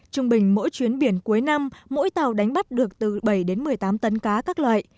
trung bình mỗi chuyến biển cuối năm mỗi tàu đánh bắt được từ bảy đến một mươi tám tấn cá các loại